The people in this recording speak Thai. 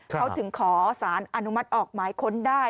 เขาถึงขอสารอนุมัติออกหมายค้นได้